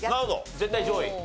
絶対上位。